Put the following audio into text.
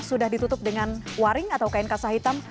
sudah ditutup dengan waring atau kain kasah hitam